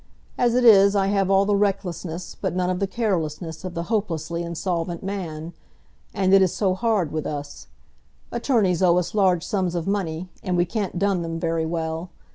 As it is I have all the recklessness, but none of the carelessness, of the hopelessly insolvent man. And it is so hard with us. Attorneys owe us large sums of money, and we can't dun them very well.